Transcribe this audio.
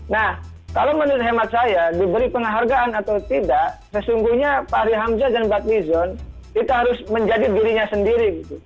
nah kalau menurut hemat saya diberi penghargaan atau tidak sesungguhnya pak ari hamzah dan bad mizon itu harus menjadi dirinya sendiri